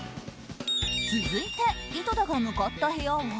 続いて井戸田が向かった部屋は。